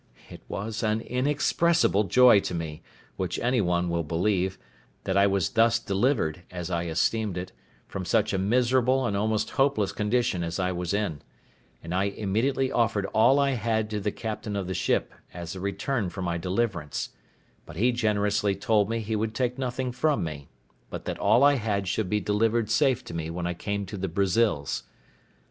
It was an inexpressible joy to me, which any one will believe, that I was thus delivered, as I esteemed it, from such a miserable and almost hopeless condition as I was in; and I immediately offered all I had to the captain of the ship, as a return for my deliverance; but he generously told me he would take nothing from me, but that all I had should be delivered safe to me when I came to the Brazils.